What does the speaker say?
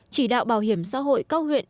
chỉ đạo bảo hiểm xã hội các huyện